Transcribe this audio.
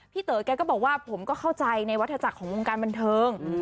เต๋อแกก็บอกว่าผมก็เข้าใจในวัฒนาจักรของวงการบันเทิง